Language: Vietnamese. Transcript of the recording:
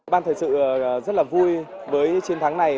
ban thời sự rất là vui với chiến thắng này